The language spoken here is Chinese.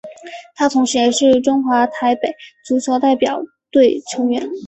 他同时也是中华台北足球代表队成员。